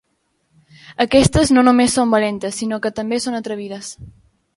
Aquestes no només són valentes sinó que també són atrevides.